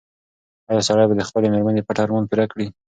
ایا سړی به د خپلې مېرمنې پټ ارمان پوره کړي؟